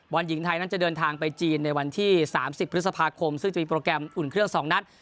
หญิงไทยนั้นจะเดินทางไปจีนในวันที่๓๐พฤษภาคมซึ่งจะมีโปรแกรมอุ่นเครื่อง๒นัด